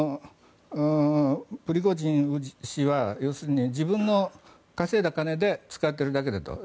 プリゴジン氏は要するに自分の稼いだ金で使っているだけだと。